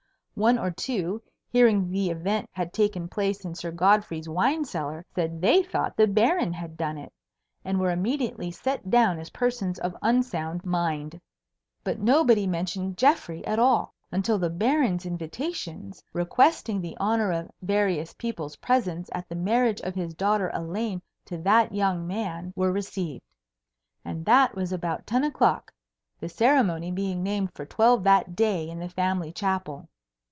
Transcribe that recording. One or two, hearing the event had taken place in Sir Godfrey's wine cellar, said they thought the Baron had done it, and were immediately set down as persons of unsound mind. But nobody mentioned Geoffrey at all, until the Baron's invitations, requesting the honour of various people's presence at the marriage of his daughter Elaine to that young man, were received; and that was about ten o'clock, the ceremony being named for twelve that day in the family chapel.